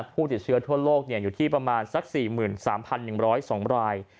ผู้ติดเชื้อทั่วโลกอยู่ที่ประมาณสัก๔๓๑๐๒ราย